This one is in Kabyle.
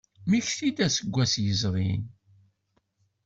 Mmekti-d aseggas yezrin.